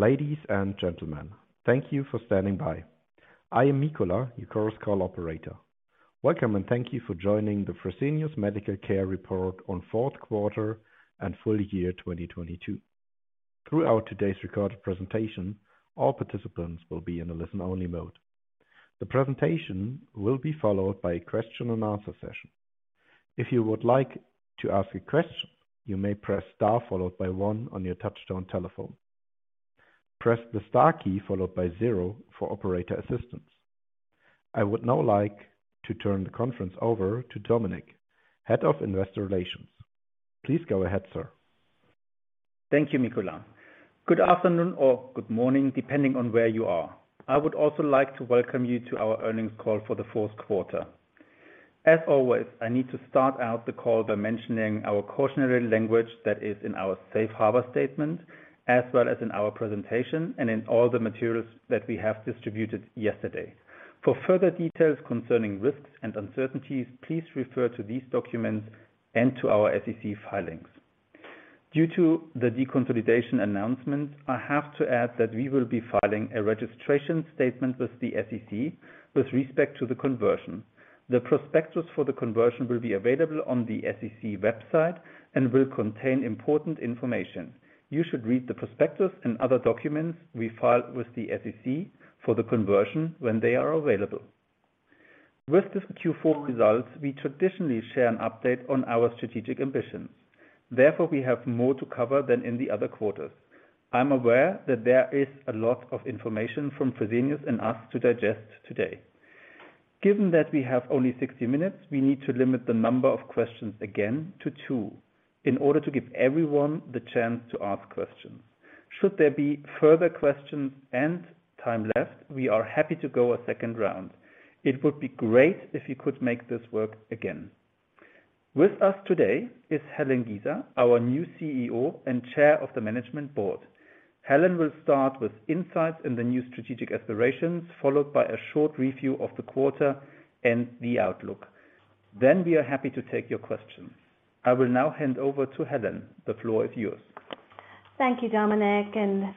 Ladies and gentlemen, thank you for standing by. I am Nikola, your Chorus Call operator. Welcome, thank you for joining the Fresenius Medical Care Report on fourth quarter and full year 2022. Throughout today's recorded presentation, all participants will be in a listen-only mode. The presentation will be followed by a question and answer session. If you would like to ask a question, you may press star followed by one on your touch-tone telephone. Press the star key followed by zero for operator assistance. I would now like to turn the conference over to Dominic, Head of Investor Relations. Please go ahead, sir. Thank you, Nikola. Good afternoon or good morning, depending on where you are. I would also like to welcome you to our earnings call for the fourth quarter. As always, I need to start out the call by mentioning our cautionary language that is in our safe harbor statement, as well as in our presentation and in all the materials that we have distributed yesterday. For further details concerning risks and uncertainties, please refer to these documents and to our SEC filings. Due to the deconsolidation announcement, I have to add that we will be filing a registration statement with the SEC with respect to the conversion. The prospectus for the conversion will be available on the SEC website and will contain important information. You should read the prospectus and other documents we filed with the SEC for the conversion when they are available. With this Q4 results, we traditionally share an update on our strategic ambitions. We have more to cover than in the other quarters. I'm aware that there is a lot of information from Fresenius and us to digest today. Given that we have only 60 minutes, we need to limit the number of questions again to two in order to give everyone the chance to ask questions. Should there be further questions and time left, we are happy to go a second round. It would be great if you could make this work again. With us today is Helen Giza, our new CEO and Chair of the Management Board. Helen will start with insights in the new strategic aspirations, followed by a short review of the quarter and the outlook. We are happy to take your questions. I will now hand over to Helen. The floor is yours. Thank you, Dominic.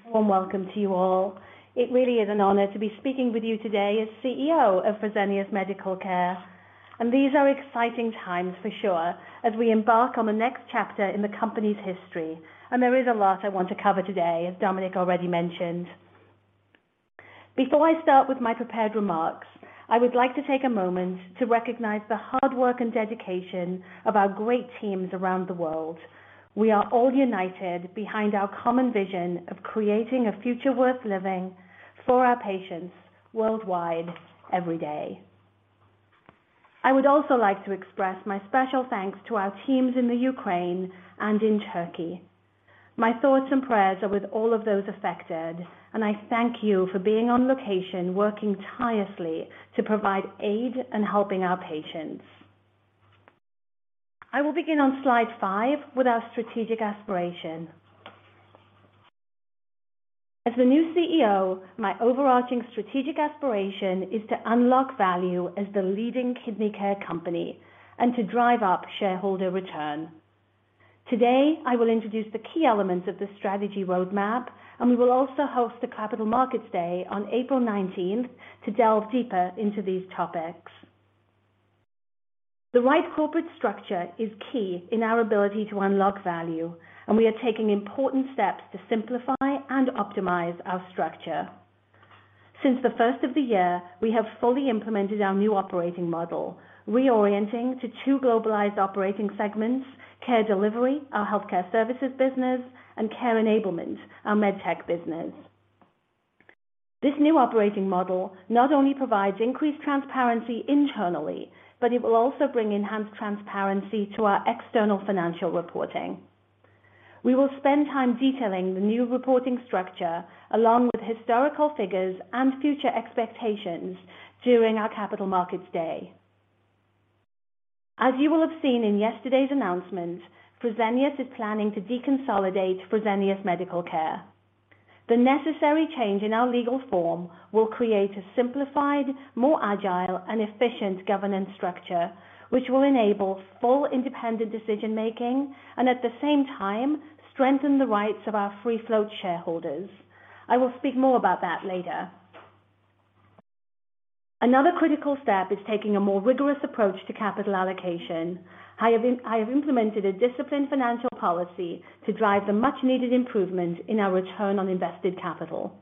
Warm welcome to you all. It really is an honor to be speaking with you today as CEO of Fresenius Medical Care. These are exciting times for sure as we embark on the next chapter in the company's history. There is a lot I want to cover today, as Dominic already mentioned. Before I start with my prepared remarks, I would like to take a moment to recognize the hard work and dedication of our great teams around the world. We are all united behind our common vision of creating a future worth living for our patients worldwide every day. I would also like to express my special thanks to our teams in the Ukraine and in Turkey. My thoughts and prayers are with all of those affected, and I thank you for being on location, working tirelessly to provide aid and helping our patients. I will begin on slide five with our strategic aspiration. As the new CEO, my overarching strategic aspiration is to unlock value as the leading kidney care company and to drive up shareholder return. Today, I will introduce the key elements of the strategy roadmap. We will also host the Capital Markets Day on April 19th to delve deeper into these topics. The right corporate structure is key in our ability to unlock value, and we are taking important steps to simplify and optimize our structure. Since the first of the year, we have fully implemented our new operating model, reorienting to two globalized operating segments, Care Delivery, our healthcare services business, and Care Enablement, our MedTech business. This new operating model not only provides increased transparency internally, but it will also bring enhanced transparency to our external financial reporting. We will spend time detailing the new reporting structure along with historical figures and future expectations during our Capital Markets Day. As you will have seen in yesterday's announcement, Fresenius is planning to deconsolidate Fresenius Medical Care. The necessary change in our legal form will create a simplified, more agile and efficient governance structure, which will enable full independent decision making and at the same time strengthen the rights of our free float shareholders. I will speak more about that later. Another critical step is taking a more rigorous approach to capital allocation. I have implemented a disciplined financial policy to drive the much-needed improvement in our return on invested capital.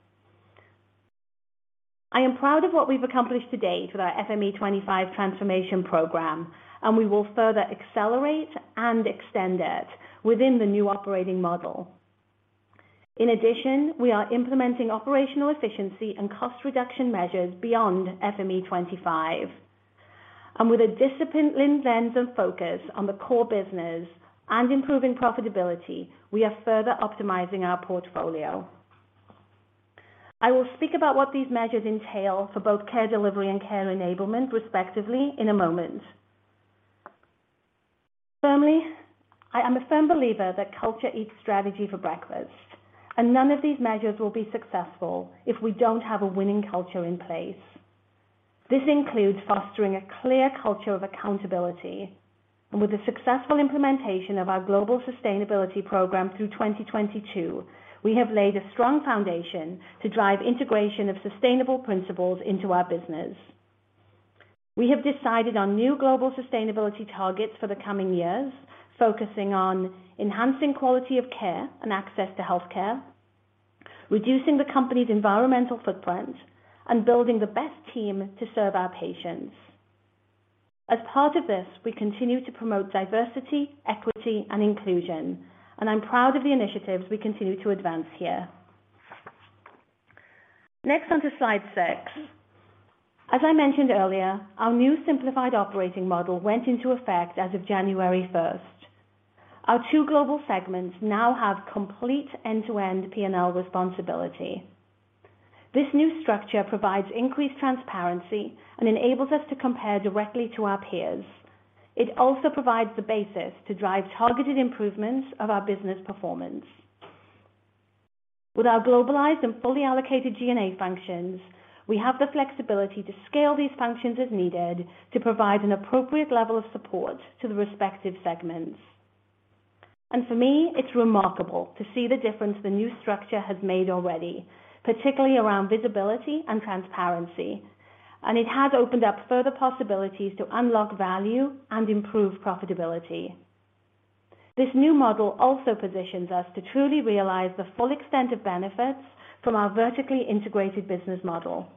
I am proud of what we've accomplished to date with our FME25 transformation program. We will further accelerate and extend it within the new operating model. In addition, we are implementing operational efficiency and cost reduction measures beyond FME25. With a disciplined lens and focus on the core business and improving profitability, we are further optimizing our portfolio. I will speak about what these measures entail for both Care Delivery and Care Enablement, respectively, in a moment. I am a firm believer that culture eats strategy for breakfast. None of these measures will be successful if we don't have a winning culture in place. This includes fostering a clear culture of accountability. With the successful implementation of our global sustainability program through 2022, we have laid a strong foundation to drive integration of sustainable principles into our business. We have decided on new global sustainability targets for the coming years, focusing on enhancing quality of care and access to health care, reducing the company's environmental footprint, and building the best team to serve our patients. As part of this, we continue to promote diversity, equity, and inclusion, I'm proud of the initiatives we continue to advance here. On to slide six. As I mentioned earlier, our new simplified operating model went into effect as of January first. Our two global segments now have complete end-to-end P&L responsibility. This new structure provides increased transparency and enables us to compare directly to our peers. It also provides the basis to drive targeted improvements of our business performance. With our globalized and fully allocated G&A functions, we have the flexibility to scale these functions as needed to provide an appropriate level of support to the respective segments. For me, it's remarkable to see the difference the new structure has made already, particularly around visibility and transparency, and it has opened up further possibilities to unlock value and improve profitability. This new model also positions us to truly realize the full extent of benefits from our vertically integrated business model.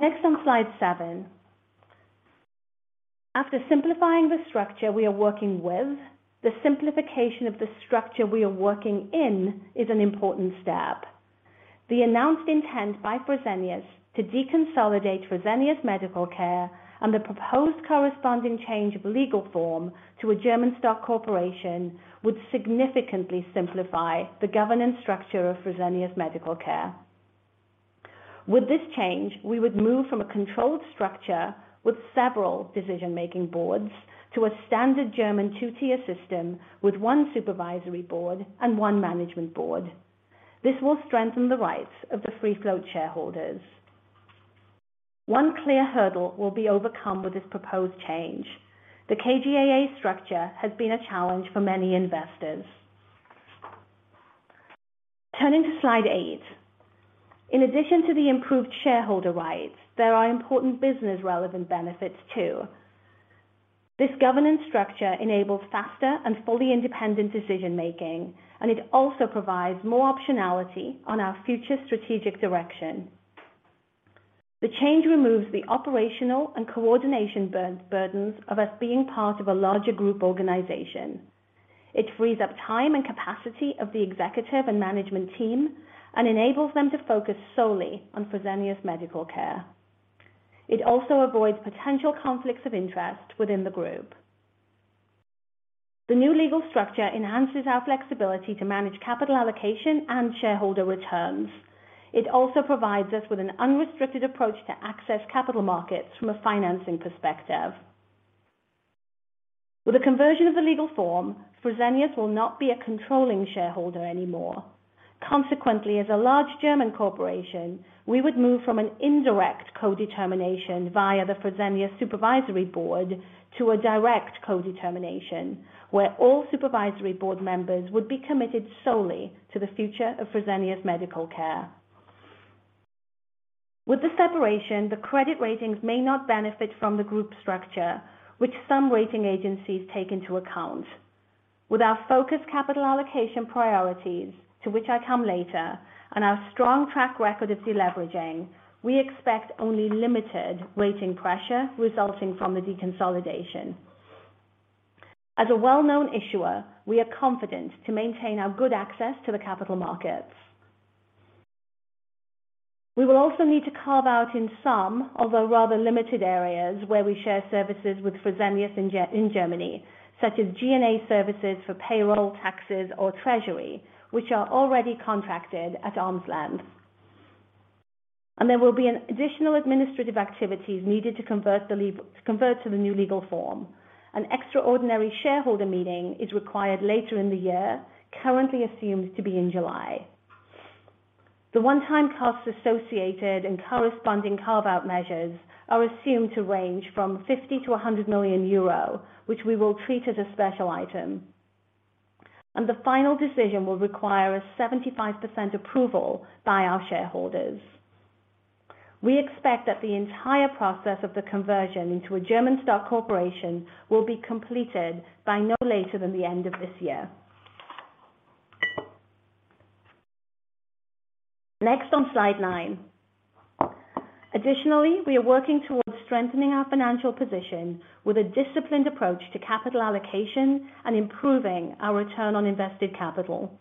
Next on slide seven. After simplifying the structure we are working with, the simplification of the structure we are working in is an important step. The announced intent by Fresenius to deconsolidate Fresenius Medical Care and the proposed corresponding change of legal form to a German stock corporation would significantly simplify the governance structure of Fresenius Medical Care. With this change, we would move from a controlled structure with several decision-making boards to a standard German two-tier system with one supervisory board and one management board. This will strengthen the rights of the free float shareholders. One clear hurdle will be overcome with this proposed change. The KGaA structure has been a challenge for many investors. Turning to slide eight. In addition to the improved shareholder rights, there are important business relevant benefits too. This governance structure enables faster and fully independent decision making, and it also provides more optionality on our future strategic direction. The change removes the operational and coordination burdens of us being part of a larger group organization. It frees up time and capacity of the executive and management team and enables them to focus solely on Fresenius Medical Care. It also avoids potential conflicts of interest within the group. The new legal structure enhances our flexibility to manage capital allocation and shareholder returns. It also provides us with an unrestricted approach to access capital markets from a financing perspective. With the conversion of the legal form, Fresenius will not be a controlling shareholder anymore. Consequently, as a large German corporation, we would move from an indirect codetermination via the Fresenius supervisory board to a direct codetermination where all supervisory board members would be committed solely to the future of Fresenius Medical Care. With the separation, the credit ratings may not benefit from the group structure, which some rating agencies take into account. With our focused capital allocation priorities, to which I come later, and our strong track record of deleveraging, we expect only limited rating pressure resulting from the deconsolidation. As a well-known issuer, we are confident to maintain our good access to the capital markets. We will also need to carve out in some of our rather limited areas where we share services with Fresenius in Germany, such as G&A services for payroll taxes or treasury, which are already contracted at arm's length. There will be an additional administrative activities needed to convert to the new legal form. An extraordinary shareholder meeting is required later in the year, currently assumed to be in July. The one-time costs associated and corresponding carve-out measures are assumed to range from 50 million-100 million euro, which we will treat as a special item. The final decision will require a 75% approval by our shareholders. We expect that the entire process of the conversion into a German stock corporation will be completed by no later than the end of this year. Next on slide 9. Additionally, we are working towards strengthening our financial position with a disciplined approach to capital allocation and improving our return on invested capital.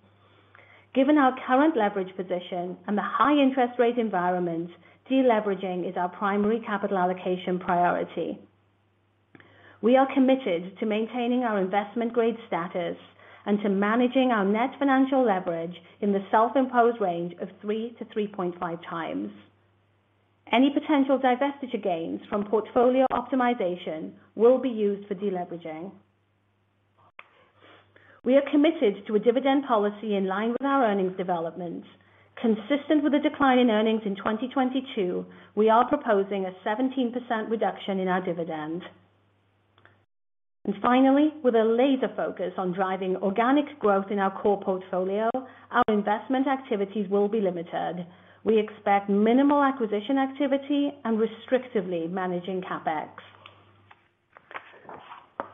Given our current leverage position and the high interest rate environment, deleveraging is our primary capital allocation priority. We are committed to maintaining our investment grade status and to managing our net financial leverage in the self-imposed range of 3-3.5 times. Any potential divestiture gains from portfolio optimization will be used for deleveraging. We are committed to a dividend policy in line with our earnings development. Consistent with the decline in earnings in 2022, we are proposing a 17% reduction in our dividend. Finally, with a laser focus on driving organic growth in our core portfolio, our investment activities will be limited. We expect minimal acquisition activity and restrictively managing CapEx.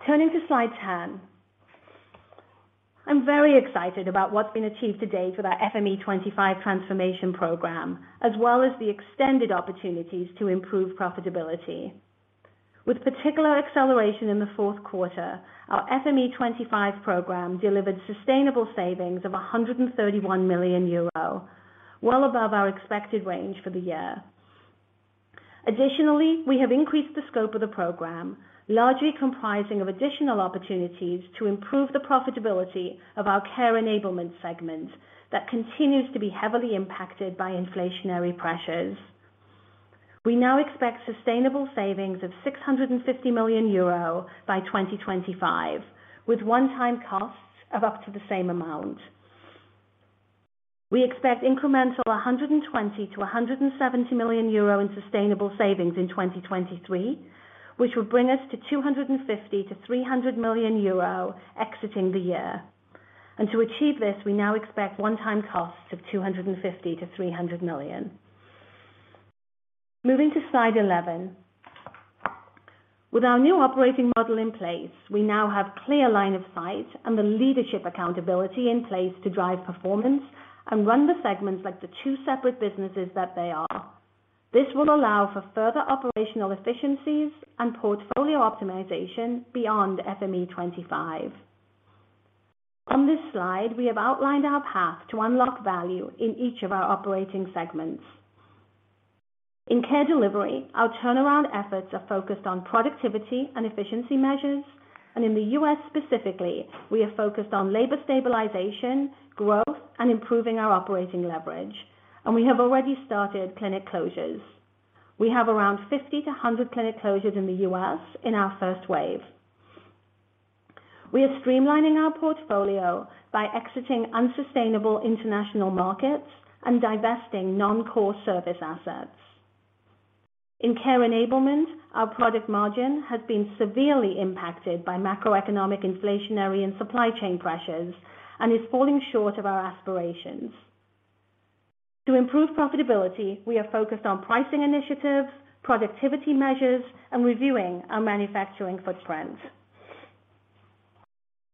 Turning to slide 10. I'm very excited about what's been achieved to date with our FME25 transformation program, as well as the extended opportunities to improve profitability. With particular acceleration in the fourth quarter, our FME25 program delivered sustainable savings of 131 million euro, well above our expected range for the year. Additionally, we have increased the scope of the program, largely comprising of additional opportunities to improve the profitability of our Care Enablement segment that continues to be heavily impacted by inflationary pressures. We now expect sustainable savings of 650 million euro by 2025, with one-time costs of up to the same amount. We expect incremental 120 million-170 million euro in sustainable savings in 2023, which will bring us to 250 million-300 million euro exiting the year. To achieve this, we now expect one-time costs of $250 million-$300 million. Moving to slide 11. With our new operating model in place, we now have clear line of sight and the leadership accountability in place to drive performance and run the segments like the two separate businesses that they are. This will allow for further operational efficiencies and portfolio optimization beyond FME25. On this slide, we have outlined our path to unlock value in each of our operating segments. In Care Delivery, our turnaround efforts are focused on productivity and efficiency measures, and in the U.S. specifically, we are focused on labor stabilization, growth, and improving our operating leverage, and we have already started clinic closures. We have around 50-100 clinic closures in the U.S. in our first wave. We are streamlining our portfolio by exiting unsustainable international markets and divesting non-core service assets. In Care Enablement, our product margin has been severely impacted by macroeconomic inflationary and supply chain pressures and is falling short of our aspirations. To improve profitability, we are focused on pricing initiatives, productivity measures, and reviewing our manufacturing footprint.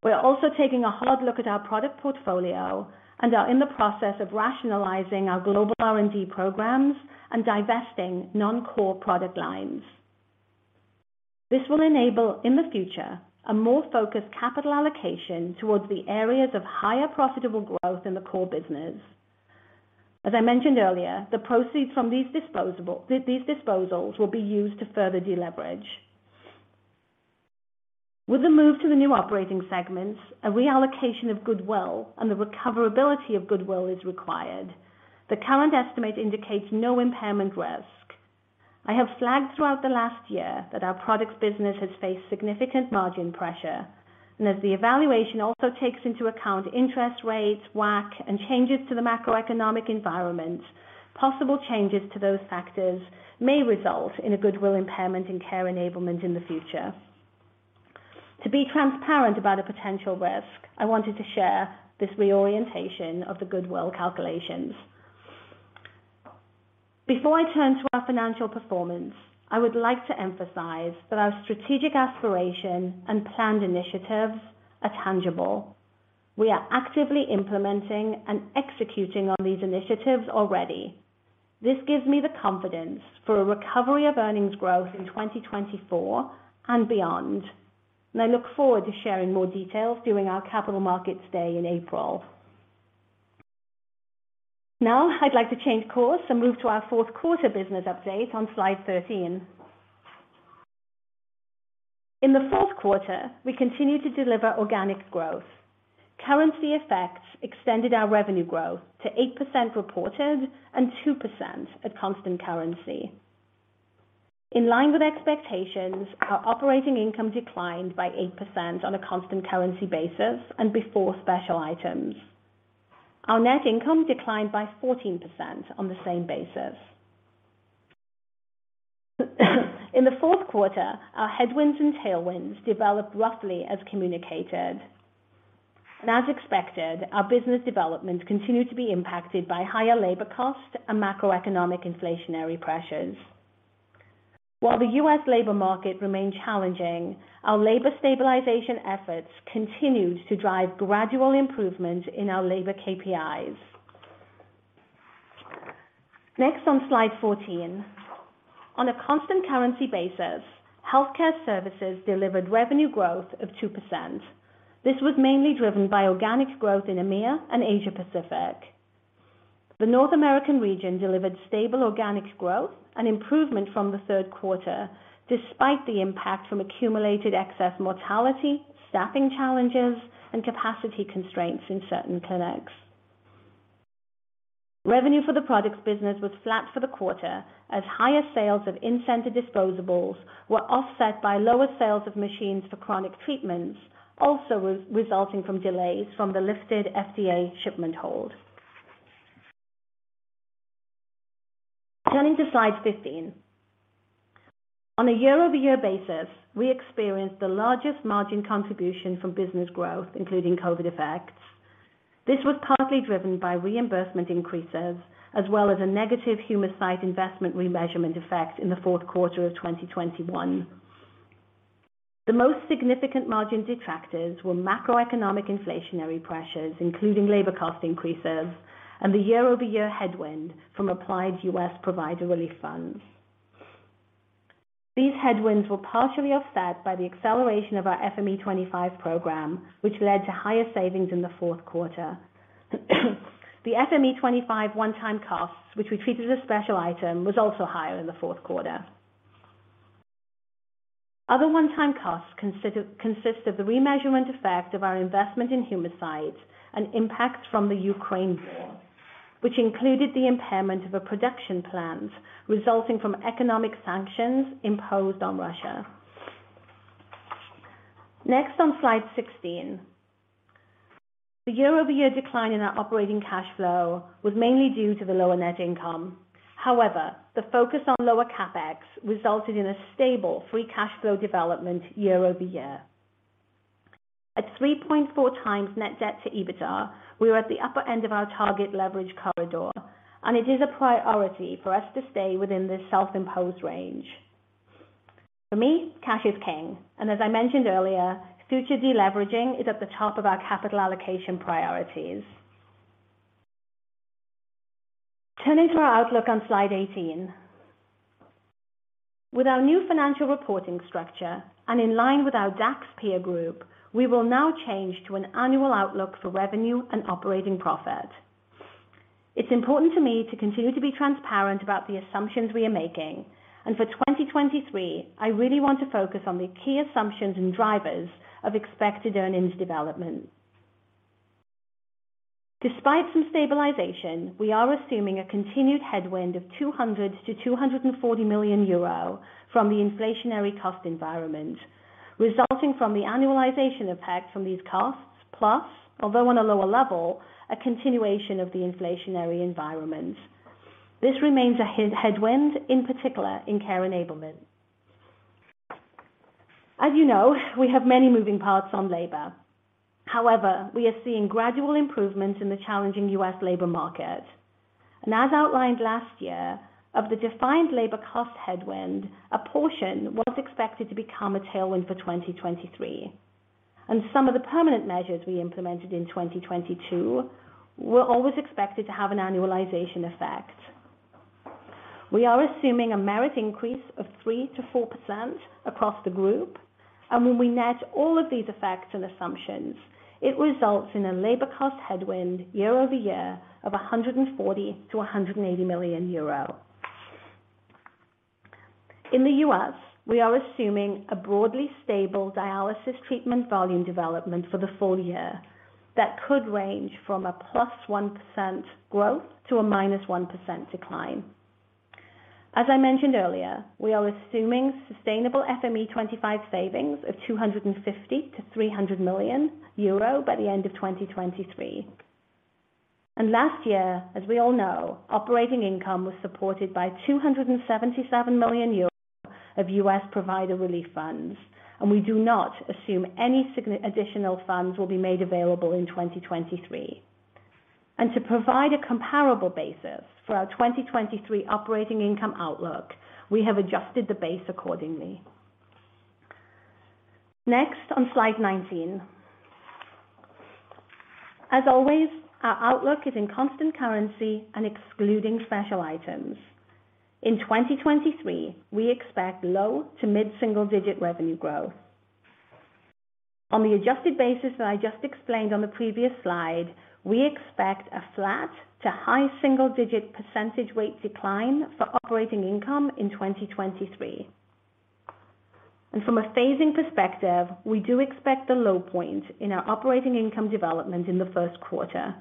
We are also taking a hard look at our product portfolio and are in the process of rationalizing our global R&D programs and divesting non-core product lines. This will enable, in the future, a more focused capital allocation towards the areas of higher profitable growth in the core business. As I mentioned earlier, the proceeds from these disposals will be used to further deleverage. With the move to the new operating segments, a reallocation of goodwill and the recoverability of goodwill is required. The current estimate indicates no impairment risk. I have flagged throughout the last year that our products business has faced significant margin pressure. As the evaluation also takes into account interest rates, WACC, and changes to the macroeconomic environment, possible changes to those factors may result in a goodwill impairment in Care Enablement in the future. To be transparent about a potential risk, I wanted to share this reorientation of the goodwill calculations. Before I turn to our financial performance, I would like to emphasize that our strategic aspiration and planned initiatives are tangible. We are actively implementing and executing on these initiatives already. This gives me the confidence for a recovery of earnings growth in 2024 and beyond. I look forward to sharing more details during our Capital Markets Day in April. I'd like to change course and move to our fourth quarter business update on slide 13. In the fourth quarter, we continued to deliver organic growth. Currency effects extended our revenue growth to 8% reported and 2% at constant currency. In line with expectations, our operating income declined by 8% on a constant currency basis and before special items. Our net income declined by 14% on the same basis. In the fourth quarter, our headwinds and tailwinds developed roughly as communicated. As expected, our business developments continued to be impacted by higher labor costs and macroeconomic inflationary pressures. While the US labor market remained challenging, our labor stabilization efforts continued to drive gradual improvement in our labor KPIs. Next, on slide 14. On a constant currency basis, healthcare services delivered revenue growth of 2%. This was mainly driven by organic growth in EMEA and Asia Pacific. The North American region delivered stable organic growth and improvement from the third quarter, despite the impact from accumulated excess mortality, staffing challenges, and capacity constraints in certain clinics. Revenue for the products business was flat for the quarter as higher sales of incentive disposables were offset by lower sales of machines for chronic treatments, also resulting from delays from the lifted FDA shipment hold. Turning to slide 15. On a year-over-year basis, we experienced the largest margin contribution from business growth, including COVID effects. This was partly driven by reimbursement increases as well as a negative Humacyte investment remeasurement effect in the fourth quarter of 2021. The most significant margin detractors were macroeconomic inflationary pressures, including labor cost increases and the year-over-year headwind from applied U.S. provider relief funds. These headwinds were partially offset by the acceleration of our FME25 program, which led to higher savings in the fourth quarter. The FME25 one-time costs, which we treated as a special item, was also higher in the fourth quarter. Other one-time costs consist of the remeasurement effect of our investment in Humacyte and impacts from the Ukraine war, which included the impairment of a production plant resulting from economic sanctions imposed on Russia. Next on slide 16. The year-over-year decline in our operating cash flow was mainly due to the lower net income. However, the focus on lower CapEx resulted in a stable free cash flow development year-over-year. At 3.4 times net debt to EBITDA, we were at the upper end of our target leverage corridor, and it is a priority for us to stay within this self-imposed range. For me, cash is king. As I mentioned earlier, future deleveraging is at the top of our capital allocation priorities. Turning to our outlook on slide 18. With our new financial reporting structure, in line with our DAX peer group, we will now change to an annual outlook for revenue and operating profit. It's important to me to continue to be transparent about the assumptions we are making. For 2023, I really want to focus on the key assumptions and drivers of expected earnings development. Despite some stabilization, we are assuming a continued headwind of 200 million-240 million euro from the inflationary cost environment, resulting from the annualization impact from these costs, plus, although on a lower level, a continuation of the inflationary environment. This remains a high headwind, in particular in Care Enablement. As you know, we have many moving parts on labor. However, we are seeing gradual improvement in the challenging US labor market. As outlined last year, of the defined labor cost headwind, a portion was expected to become a tailwind for 2023, and some of the permanent measures we implemented in 2022 were always expected to have an annualization effect. We are assuming a merit increase of 3%-4% across the group. When we net all of these effects and assumptions, it results in a labor cost headwind year-over-year of 140 million-180 million euro. In the US, we are assuming a broadly stable dialysis treatment volume development for the full year that could range from a +1% growth to a -1% decline. As I mentioned earlier, we are assuming sustainable FME25 savings of 250 million-300 million euro by the end of 2023. Last year, as we all know, operating income was supported by 277 million euros of US provider relief funds, and we do not assume any additional funds will be made available in 2023. To provide a comparable basis for our 2023 operating income outlook, we have adjusted the base accordingly. Next on slide 19. As always, our outlook is in constant currency and excluding special items. In 2023, we expect low to mid-single-digit revenue growth. On the adjusted basis that I just explained on the previous slide, we expect a flat to high single-digit percentage weight decline for operating income in 2023. From a phasing perspective, we do expect the low point in our operating income development in the first quarter.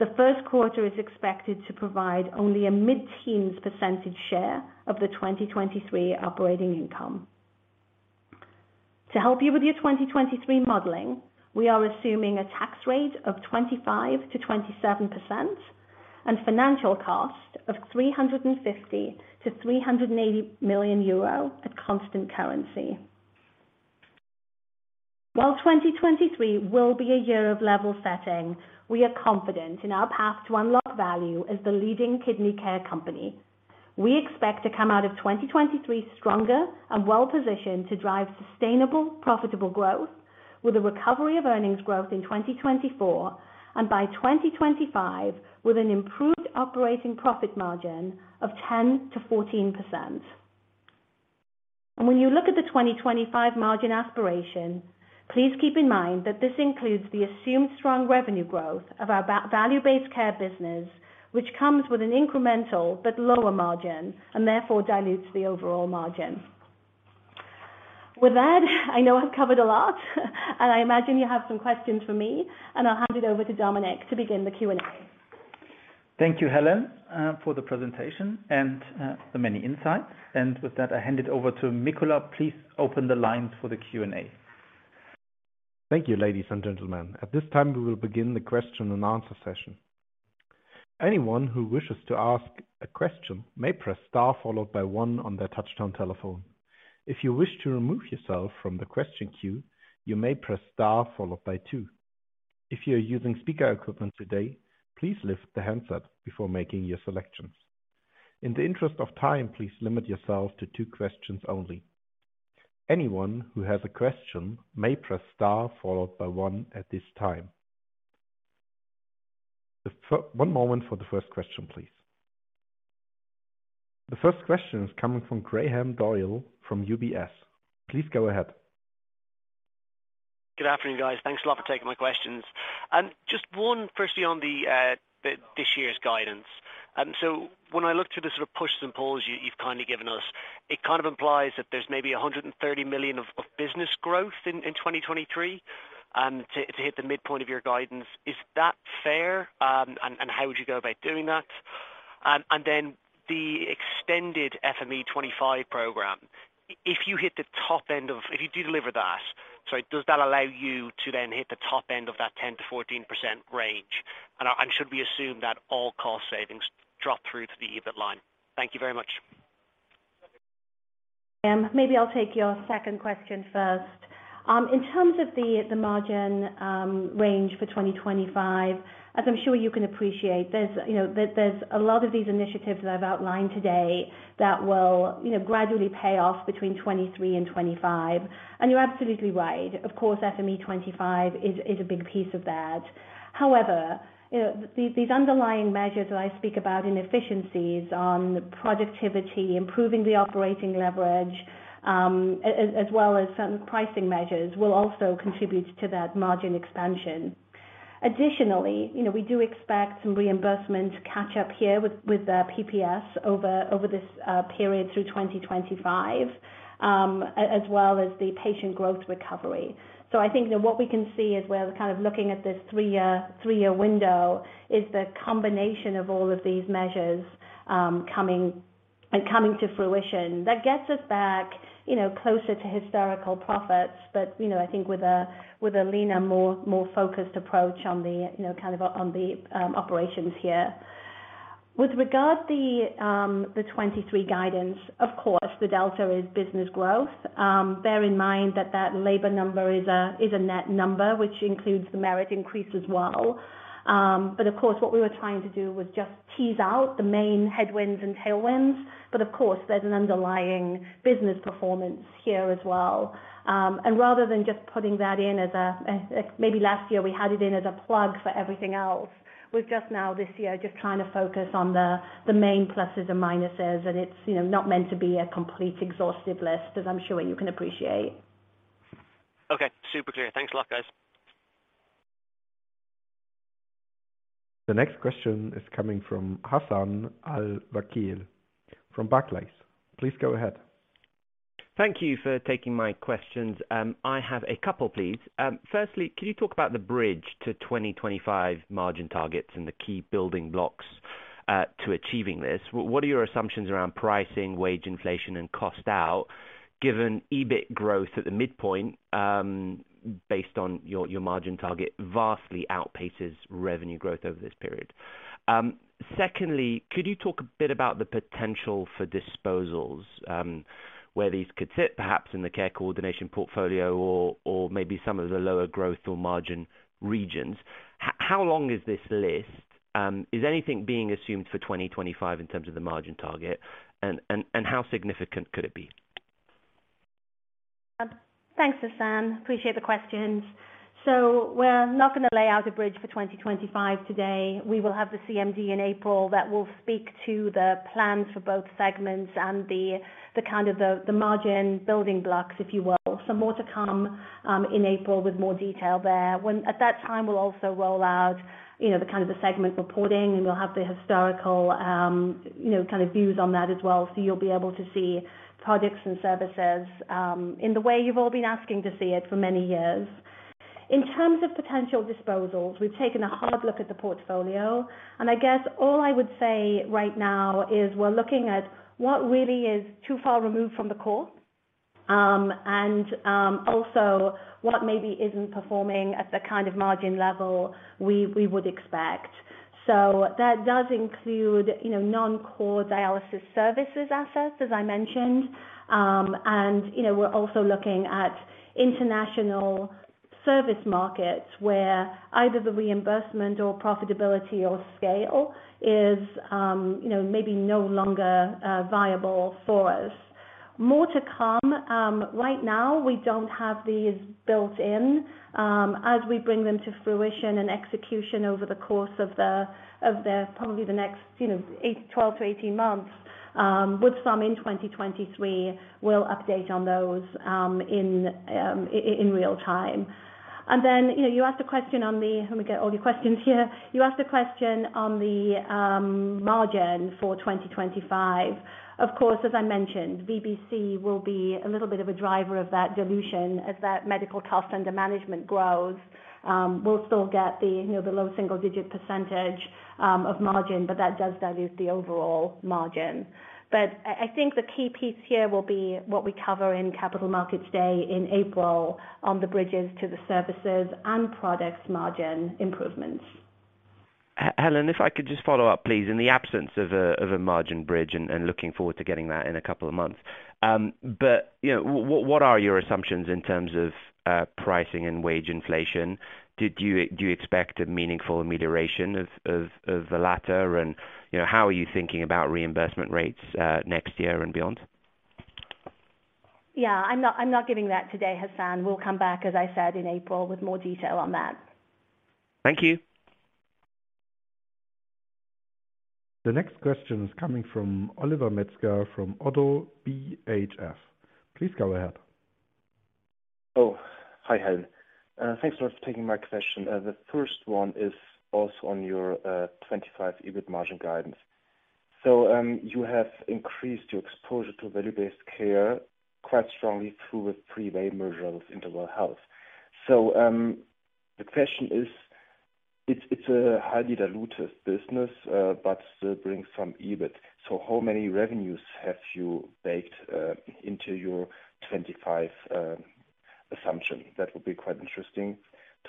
The first quarter is expected to provide only a mid-teens % share of the 2023 operating income. To help you with your 2023 modeling, we are assuming a tax rate of 25%-27% and financial cost of 350 million-380 million euro at constant currency. While 2023 will be a year of level setting, we are confident in our path to unlock value as the leading kidney care company. We expect to come out of 2023 stronger and well positioned to drive sustainable, profitable growth with a recovery of earnings growth in 2024 and by 2025 with an improved operating profit margin of 10%-14%. When you look at the 2025 margin aspiration, please keep in mind that this includes the assumed strong revenue growth of our value-based care business, which comes with an incremental but lower margin and therefore dilutes the overall margin. With that, I know I've covered a lot and I imagine you have some questions for me, and I'll hand it over to Dominic to begin the Q&A. Thank you, Helen, for the presentation and the many insights. With that, I hand it over to Nikola. Please open the lines for the Q&A. Thank you, ladies and gentlemen. At this time, we will begin the question and answer session. Anyone who wishes to ask a question may press star followed by one on their touchtone telephone. If you wish to remove yourself from the question queue, you may press star followed by two. If you're using speaker equipment today, please lift the handset before making your selections. In the interest of time, please limit yourself to two questions only. Anyone who has a question may press star followed by one at this time. One moment for the first question, please. The first question is coming from Graham Doyle from UBS. Please go ahead. Good afternoon, guys. Thanks a lot for taking my questions. Just one firstly on this year's guidance. When I look to the sort of pushes and pulls you've kindly given us, it kind of implies that there's maybe $130 million of business growth in 2023 to hit the midpoint of your guidance. Is that fair? How would you go about doing that? The extended FME25 program, if you do deliver that, sorry, does that allow you to then hit the top end of that 10%-14% range? Should we assume that all cost savings drop through to the EBIT line? Thank you very much. Maybe I'll take your second question first. In terms of the margin, range for 2025, as I'm sure you can appreciate, there's, you know, there's a lot of these initiatives that I've outlined today that will, you know, gradually pay off between 2023 and 2025. You're absolutely right. Of course, FME25 is a big piece of that. However, you know, these underlying measures that I speak about in efficiencies on productivity, improving the operating leverage, as well as some pricing measures will also contribute to that margin expansion. Additionally, you know, we do expect some reimbursement to catch up here with the PPS over this period through 2025, as well as the patient growth recovery. I think that what we can see is we're kind of looking at this three-year window is the combination of all of these measures coming to fruition. That gets us back, you know, closer to historical profits. I think with a leaner, more focused approach on the, you know, kind of on the operations here. With regard the 23 guidance, of course, the delta is business growth. Bear in mind that that labor number is a net number, which includes the merit increase as well. Of course, what we were trying to do was just tease out the main headwinds and tailwinds. Of course, there's an underlying business performance here as well. Rather than just putting that in. Maybe last year, we had it in as a plug for everything else. We're just now this year just trying to focus on the main pluses and minuses, and it's, you know, not meant to be a complete exhaustive list, as I'm sure you can appreciate. Okay. Super clear. Thanks a lot, guys. The next question is coming from Hassan Al-Wakeel from Barclays. Please go ahead. Thank you for taking my questions. I have a couple, please. Firstly, can you talk about the bridge to 2025 margin targets and the key building blocks to achieving this? What are your assumptions around pricing, wage inflation, and cost out, given EBIT growth at the midpoint, based on your margin target vastly outpaces revenue growth over this period. Secondly, could you talk a bit about the potential for disposals, where these could sit perhaps in the care coordination portfolio or maybe some of the lower growth or margin regions? How long is this list? Is anything being assumed for 2025 in terms of the margin target? How significant could it be? Thanks, Hassan. Appreciate the questions. We're not gonna lay out a bridge for 2025 today. We will have the CMD in April that will speak to the plans for both segments and the kind of the margin building blocks, if you will. More to come in April with more detail there. At that time, we'll also roll out, you know, the kind of the segment reporting, and we'll have the historical, you know, kind of views on that as well. You'll be able to see products and services in the way you've all been asking to see it for many years. In terms of potential disposals, we've taken a hard look at the portfolio. I guess all I would say right now is we're looking at what really is too far removed from the core, and also what maybe isn't performing at the kind of margin level we would expect. That does include, you know, non-core dialysis services assets, as I mentioned. You know, we're also looking at international service markets where either the reimbursement or profitability or scale is, you know, maybe no longer viable for us. More to come. Right now, we don't have these built in. As we bring them to fruition and execution over the course of the, of the, probably the next, you know, 12 to 18 months, with some in 2023, we'll update on those in real time. You know, Let me get all your questions here. You asked a question on the margin for 2025. Of course, as I mentioned, VBC will be a little bit of a driver of that dilution as that medical cost under management grows. We'll still get the, you know, the low single-digit % of margin, but that does dilute the overall margin. I think the key piece here will be what we cover in Capital Markets Day in April on the bridges to the services and products margin improvements. Helen, if I could just follow up, please. In the absence of a margin bridge and looking forward to getting that in a couple of months. You know, what are your assumptions in terms of pricing and wage inflation? Do you expect a meaningful amelioration of the latter? You know, how are you thinking about reimbursement rates next year and beyond? Yeah, I'm not, I'm not giving that today, Hassan. We'll come back, as I said, in April, with more detail on that. Thank you. The next question is coming from Oliver Metzger from ODDO BHF. Please go ahead. Oh, hi, Helen Giza. Thanks for taking my question. The first one is also on your 2025 EBIT margin guidance. You have increased your exposure to value-based care quite strongly through a pre-merger of InterWell Health. The question is, it's a highly dilutive business, but still brings some EBIT. How many revenues have you baked into your 2025 assumption? That would be quite interesting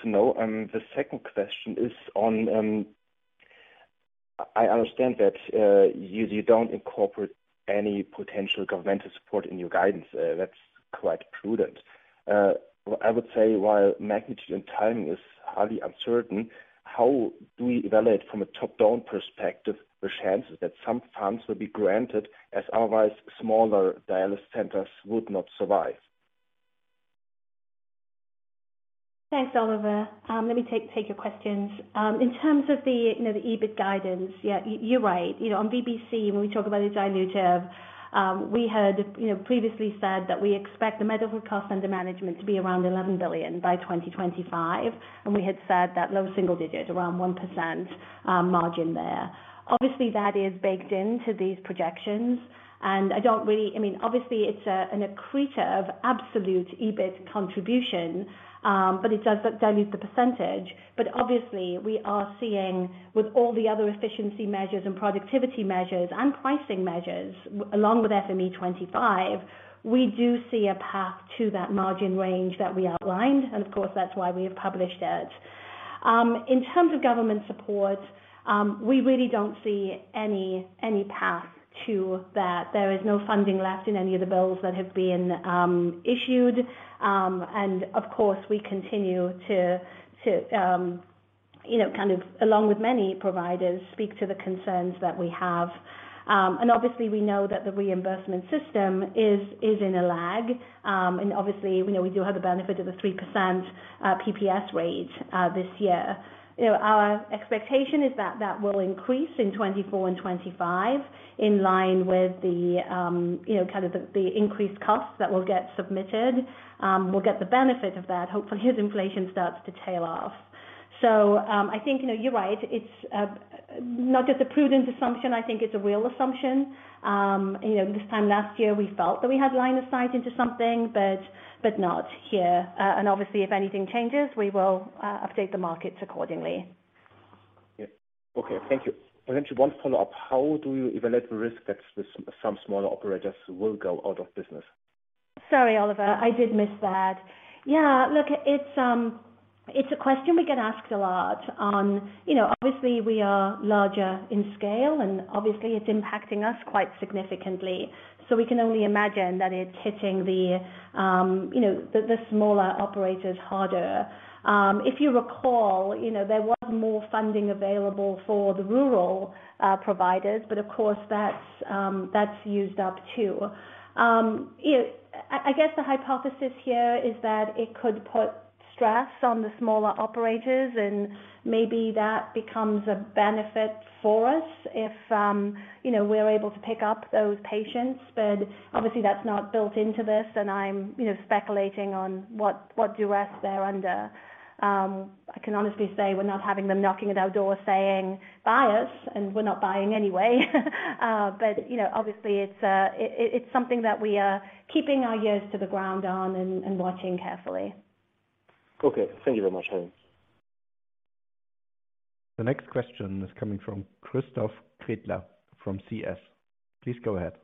to know. The second question is on, I understand that you don't incorporate any potential governmental support in your guidance. That's quite prudent. I would say while magnitude and timing is highly uncertain, how do we evaluate from a top-down perspective the chances that some funds will be granted as otherwise smaller dialysis centers would not survive? Thanks, Oliver. Let me take your questions. In terms of the, you know, the EBIT guidance. Yeah, you're right. You know, on VBC, when we talk about the dilutive, we had, you know, previously said that we expect the medical cost under management to be around 11 billion by 2025, and we had said that low single digit around 1% margin there. Obviously, that is baked into these projections, and I don't really... I mean, obviously it's an accretor of absolute EBIT contribution, but it does dilute the percentage. Obviously we are seeing with all the other efficiency measures and productivity measures and pricing measures along with FME25, we do see a path to that margin range that we outlined and of course, that's why we have published it. In terms of government support, we really don't see any path to that. There is no funding left in any of the bills that have been issued. Of course, we continue to, you know, kind of along with many providers, speak to the concerns that we have. Obviously we know that the reimbursement system is in a lag. Obviously, you know, we do have the benefit of a 3% PPS rate this year. You know, our expectation is that that will increase in 24 and 25 in line with the, you know, kind of the increased costs that will get submitted. We'll get the benefit of that, hopefully, as inflation starts to tail off. I think, you know, you're right. It's not just a prudent assumption, I think it's a real assumption. You know, this time last year, we felt that we had line of sight into something, but not here. Obviously, if anything changes, we will update the markets accordingly. Yeah. Okay. Thank you. Potentially one follow-up. How do you evaluate the risk that some smaller operators will go out of business? Sorry, Oliver, I did miss that. Look, it's a question we get asked a lot on... You know, obviously, we are larger in scale, and obviously, it's impacting us quite significantly. We can only imagine that it's hitting the, you know, the smaller operators harder. If you recall, you know, there was more funding available for the rural providers, but of course, that's used up too. I guess the hypothesis here is that it could put stress on the smaller operators and maybe that becomes a benefit for us if, you know, we're able to pick up those patients. Obviously that's not built into this, and I'm, you know, speculating on what duress they're under. I can honestly say we're not having them knocking at our door saying, "Buy us," and we're not buying anyway. You know, obviously, it's something that we are keeping our ears to the ground on and watching carefully. Okay. Thank you very much, Helen. The next question is coming from Christoph Gretler from CS. Please go ahead.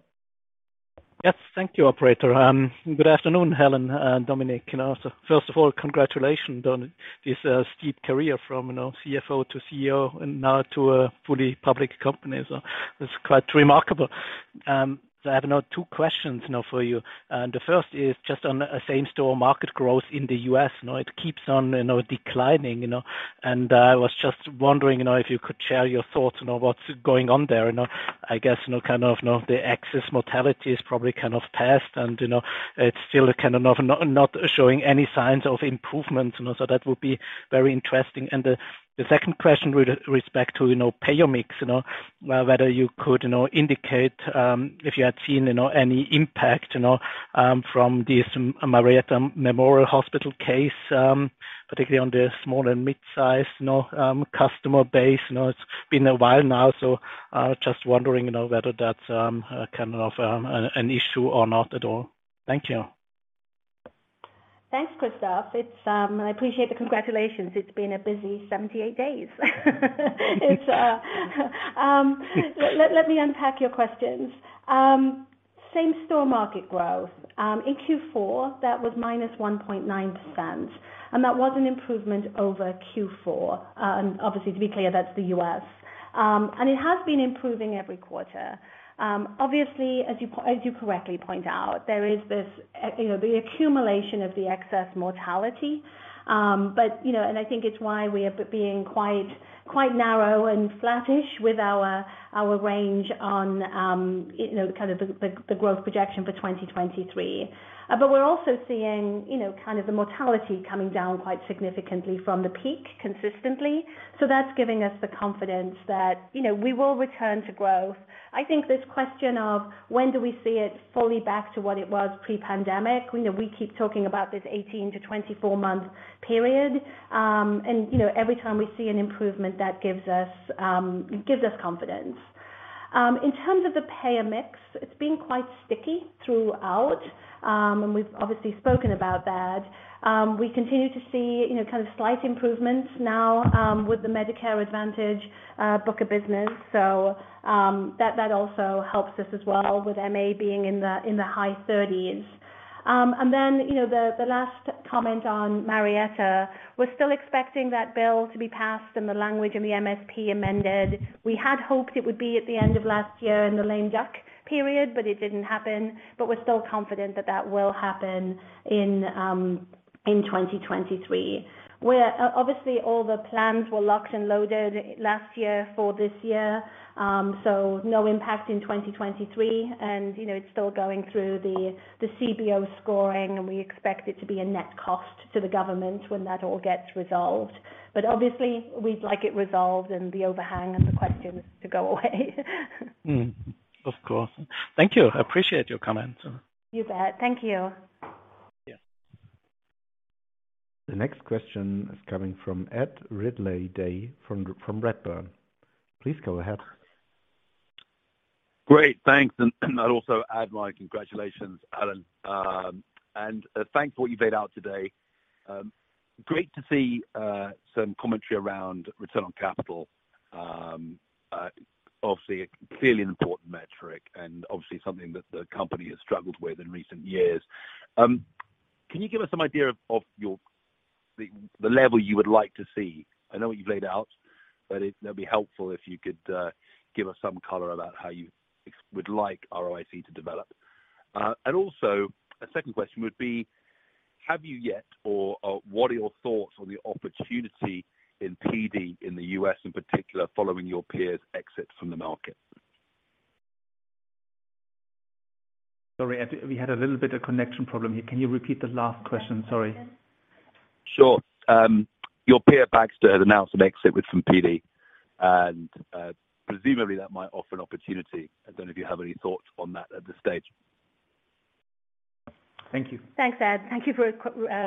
Yes, thank you, operator. Good afternoon, Helen and Dominic. Can I ask, first of all, congratulations on this steep career from, you know, CFO to CEO and now to a fully public company. It's quite remarkable. I have now two questions now for you. The first is just on a same-store market growth in the U.S. You know, it keeps on, you know, declining, you know. I was just wondering, you know, if you could share your thoughts on what's going on there. You know, I guess, you know, kind of now the excess mortality is probably kind of passed, you know, it's still kind of not showing any signs of improvement, you know. That would be very interesting. The, the second question with respect to, you know, payer mix, you know, whether you could, you know, indicate, if you had seen, you know, any impact, you know, from this Marietta Memorial Hospital case, particularly on the small and midsize, you know, customer base. You know, it's been a while now, so, just wondering, you know, whether that's, kind of, an issue or not at all. Thank you. Thanks, Christoph. It's. I appreciate the congratulations. It's been a busy 78 days. It's, let me unpack your questions. Same-store market growth. In Q4, that was minus 1.9%. That was an improvement over Q4. Obviously, to be clear, that's the U.S. It has been improving every quarter. Obviously, as you correctly point out, there is this, you know, the accumulation of the excess mortality. You know, I think it's why we are being quite narrow and flattish with our range on, you know, kind of the growth projection for 2023. We're also seeing, you know, kind of the mortality coming down quite significantly from the peak consistently. That's giving us the confidence that, you know, we will return to growth. I think this question of when do we see it fully back to what it was pre-pandemic, you know, we keep talking about this 18-24 month period. Every time we see an improvement that gives us confidence. In terms of the payer mix, it's been quite sticky throughout. We've obviously spoken about that. We continue to see, you know, kind of slight improvements now, with the Medicare Advantage book of business. That also helps us as well with MA being in the high 30s. The last comment on Marietta, we're still expecting that bill to be passed and the language in the MSP amended. We had hoped it would be at the end of last year in the lame duck period, but it didn't happen. We're still confident that that will happen in 2023, where obviously all the plans were locked and loaded last year for this year. No impact in 2023. You know, it's still going through the CBO scoring, and we expect it to be a net cost to the government when that all gets resolved. Obviously we'd like it resolved and the overhang of the questions to go away. Of course. Thank you. I appreciate your comments. You bet. Thank you. Yeah. The next question is coming from Ed Ridley-Day from Redburn. Please go ahead. Great, thanks. I'd also add my congratulations, Helen. Thanks for what you've laid out today. Great to see some commentary around return on capital. Obviously a clearly an important metric and obviously something that the company has struggled with in recent years. Can you give us some idea of your... the level you would like to see? I know what you've laid out, but that'd be helpful if you could give us some color about how you would like ROIC to develop. Also, a second question would be, have you yet or, what are your thoughts on the opportunity in PD in the US in particular, following your peers exits from the market? Sorry, Ed, we had a little bit of connection problem here. Can you repeat the last question? Sorry. Sure. Your peer Baxter has announced an exit with some PD, and presumably that might offer an opportunity. I don't know if you have any thoughts on that at this stage. Thank you. Thanks, Ed. Thank you for